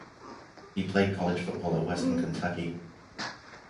He played college football at Western Kentucky.